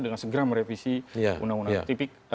dengan segera merevisi undang undang tipik